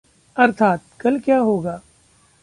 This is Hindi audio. अर्थात्: कल क्या होगा?